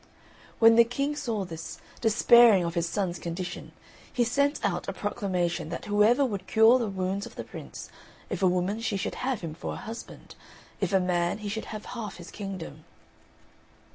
When the King saw this, despairing of his son's condition, he sent out a proclamation that whoever would cure the wounds of the Prince if a woman she should have him for a husband if a man he should have half his kingdom.